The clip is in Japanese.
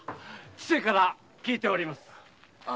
千勢から聞いております。